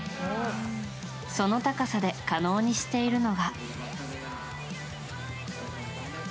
その高さで可能にしているのが。